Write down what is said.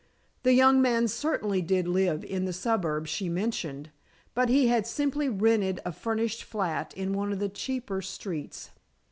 The young man certainly did live in the suburb she mentioned, but he had simply rented a furnished flat in one of the cheaper streets.